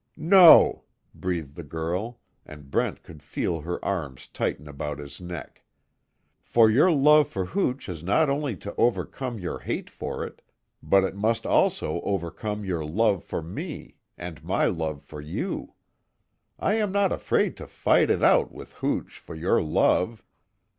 "No!" breathed the girl, and Brent could feel her arms tighten about his neck. "For your love for hooch has not only to overcome your hate for it, but it must also overcome your love for me, and my love for you. I am not afraid to fight it out with hooch for your love!